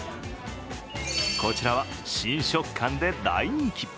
こちらは新食感で大人気。